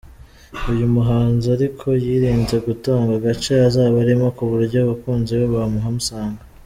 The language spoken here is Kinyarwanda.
Uyu muhanzi ariko yirinze gutangaa agace azaba arimo ku buryo abakunzi be bahamusanga.